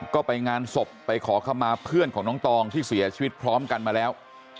ก็ไปงานศพไปขอคำมาเพื่อนของน้องตองที่เสียชีวิตพร้อมกันมาแล้ว